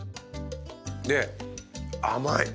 で甘い。